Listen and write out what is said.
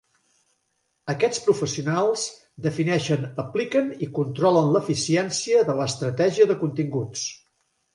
Aquests professionals defineixen, apliquen i controlen l'eficiència de l'estratègia de continguts.